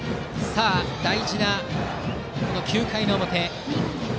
大事な９回の表。